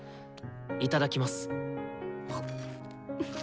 いただきます！